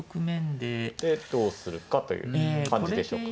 でどうするかという感じでしょうか。